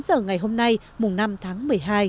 ở ngày hôm nay mùa năm tháng một mươi hai